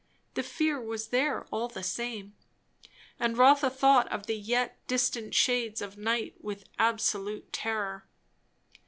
The fear was there, all the same; and Rotha thought of the yet distant shades of night with absolute terror.